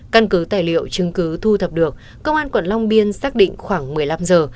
căn cứ tài liệu chứng cứ thu thập được công an quận long biên xác định khoảng một mươi năm giờ